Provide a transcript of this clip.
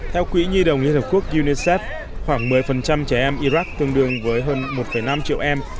theo quỹ nhi đồng liên hợp quốc unicef khoảng một mươi trẻ em iraq tương đương với hơn một năm triệu em